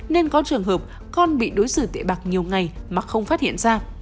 nên có trường hợp con bị đối xử tị bạc nhiều ngày mà không phát hiện ra